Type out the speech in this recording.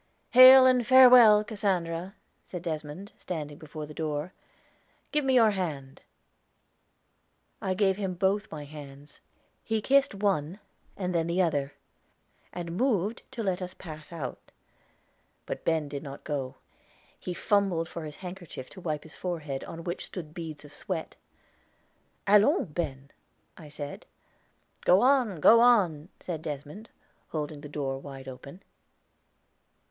"Hail, and farewell, Cassandra!" said Desmond, standing before the door. "Give me your hand." I gave him both my hands. He kissed one, and then the other, and moved to let us pass out. But Ben did not go; he fumbled for his handkerchief to wipe his forehead, on which stood beads of sweat. "Allons, Ben," I said. "Go on, go on," said Desmond, holding the door wide open.